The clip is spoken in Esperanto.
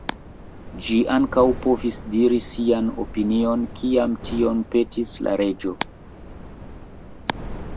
Ĝi ankaŭ povis diri sian opinion kiam tion petis la reĝo.